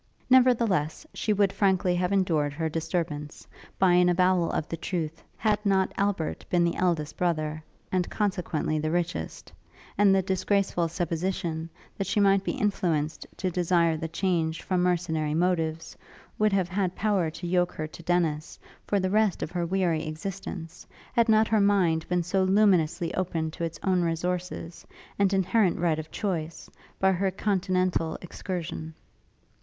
Nevertheless, she would frankly have ended her disturbance, by an avowal of the truth, had not Albert been the eldest brother, and, consequently, the richest; and the disgraceful supposition, that she might be influenced to desire the change from mercenary motives, would have had power to yoke her to Dennis, for the rest of her weary existence, had not her mind been so luminously opened to its own resources, and inherent right of choice, by her continental excursion.